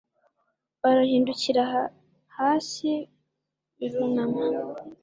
Barahindukira hasi irunama